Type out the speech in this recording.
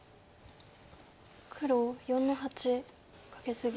黒４の八カケツギ。